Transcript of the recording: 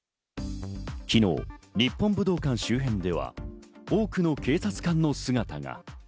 昨日、日本武道館周辺では多くの警察官の姿が。